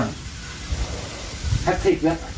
นี่